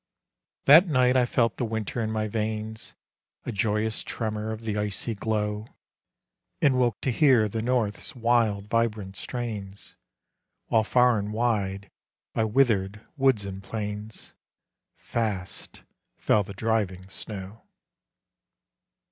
That night I felt the winter in my veins, A joyous tremor of the icy glow; And woke to hear the north's wild vibrant strains, While far and wide, by withered woods and plains, Fast fell the driving snow.